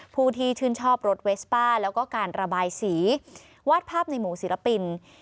ผู้ที่ชื่นชอบรถเวสป้าแล้วก็การระบายสีวาดภาพในหมู่ศิลปิน